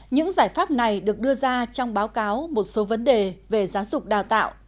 những giải pháp này được đưa ra trong báo cáo một số vấn đề về giáo dục đào tạo